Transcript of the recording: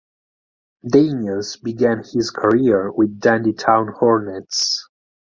Daniels began his career with Dandy Town Hornets.